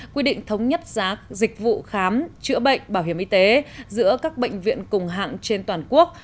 quy định thống nhất giá dịch vụ khám chữa bệnh bảo hiểm y tế giữa các bệnh viện cùng hạng trên toàn quốc